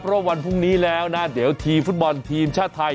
เพราะวันพรุ่งนี้แล้วนะเดี๋ยวทีมฟุตบอลทีมชาติไทย